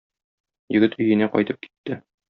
Егет өенә кайтып китте.